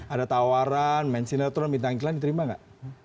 ada tawaran main sinetron bintang iklan diterima nggak